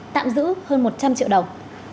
tạm giữ hơn một trăm linh triệu đồng